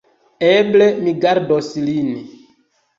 Eble mi gardos lin.